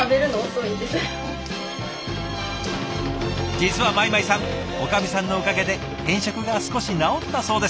実は米舞さんおかみさんのおかげで偏食が少し直ったそうです！